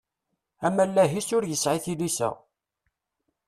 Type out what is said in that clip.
Amaleh-is ur yesɛi tilisa.